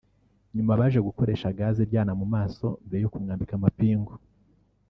nyuma baje gukoresha gaze iryana mu maso mbere yo kumwambika amapingu